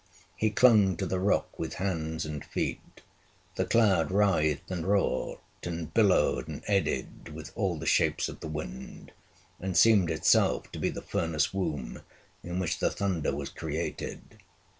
He clung to the rock with hands and feet. The cloud writhed and wrought and billowed and eddied, with all the shapes of the wind, and seemed itself to be the furnace womb in which the thunder was created.